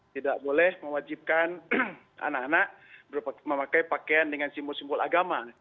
tidak boleh mewajibkan anak anak memakai pakaian dengan simbol simbol agama